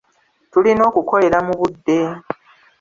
Tulina okukolera mu budde.